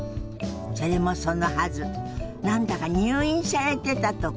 それもそのはず何だか入院されてたとか。